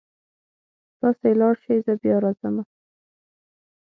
تاسې لاړ شئ زه بیا راځمه